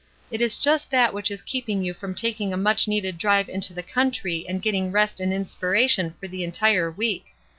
It is just that which is keeping you from taking a much needed drive into the country and getting rest and inspiration for the entire week.